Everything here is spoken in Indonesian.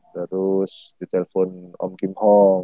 terus di telpon om kim hong